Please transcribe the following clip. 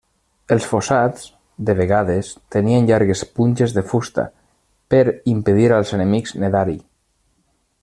Els fossats, de vegades, tenien llargues punxes de fusta, per impedir als enemics nedar-hi.